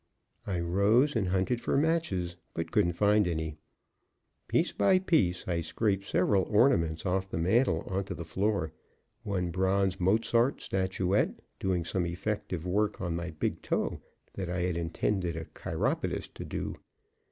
I rose and hunted for matches, but couldn't find any. Piece by piece, I scraped several ornaments off the mantel to the floor, one bronze Mozart statuette doing some effective work on my big toe that I had intended a chiropodist to do.